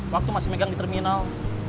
waktu masih megang di terminal